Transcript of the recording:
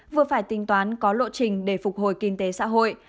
vừa phải tính toán có lộ trình để phục hồi kinh tế xã hội